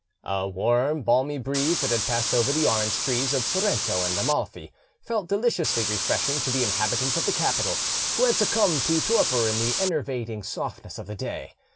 A warm, balmy breeze that had passed over the orange trees of Sorrento and Amalfi felt deliciously refreshing to the inhabitants of the capital, who had succumbed to torpor in the enervating softness of the day.